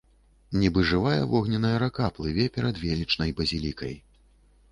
Нібы жывая вогненная рака плыве перад велічнай базілікай.